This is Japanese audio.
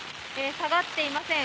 下がっていません。